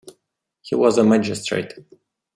He was a magistrate.